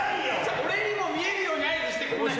俺にも見えるように合図してくれないと。